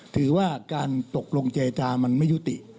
ถือว่าการตกลงเจจามันไม่ยุติ